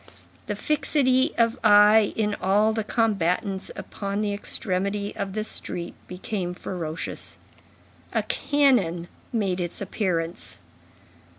The fixity of eye in all the combatants upon the extremity of the street became ferocious. A cannon made its appearance.